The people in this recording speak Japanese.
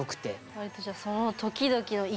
割とじゃあはい。